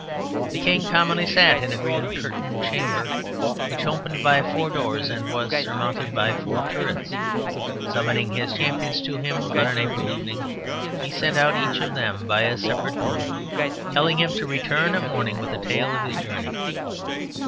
The king commonly sat in a green curtained chamber, which opened by four doors, and was surmounted by four turrets. Summoning his champions to him on an April evening, he sent out each of them by a separate door, telling him to return at morning with the tale of his journey.